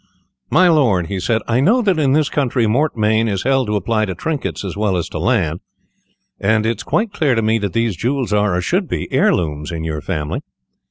"My lord," he said, "I know that in this country mortmain is held to apply to trinkets as well as to land, and it is quite clear to me that these jewels are, or should be, heirlooms in your family.